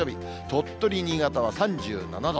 鳥取、新潟は３７度。